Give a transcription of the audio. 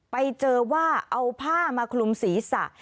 ไปเจอว่าเอาผ้ามาคลุมศีรษะ